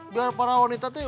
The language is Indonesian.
biar para wanita teh